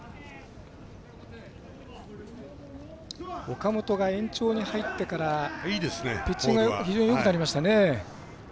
岡本が延長に入ってからピッチングが非常によくなりましたね。